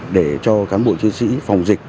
để cho cán bộ chiến sĩ phòng dịch